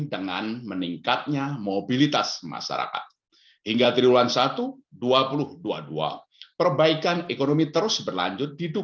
dengan meningkatnya mobilitas masyarakat hingga triwulan satu dua puluh dua puluh dua perbaikan ekonomi terus berlanjut